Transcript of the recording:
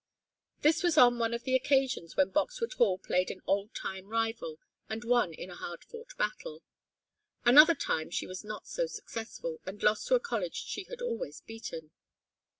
This was on one of the occasions when Boxwood Hall played an old time rival and won in a hard fought battle. Another time she was not so successful, and lost to a college she had always beaten.